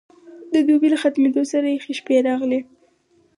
د دوبي له ختمه سره یخې شپې راغلې.